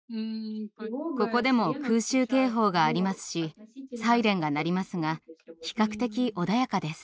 ここでも空襲警報がありますしサイレンが鳴りますが比較的穏やかです。